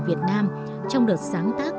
việt nam trong đợt sáng tác